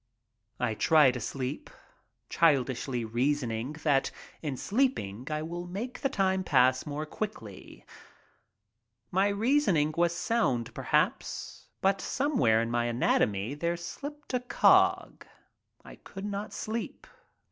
I try to sleep, childishly reasoning that in sleeping I will make the time pass more quickly. My reasoning was sound, perhaps, but somewhere in my anatomy there slipped a cog. I could not sleep.